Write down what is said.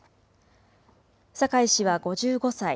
酒井氏は５５歳。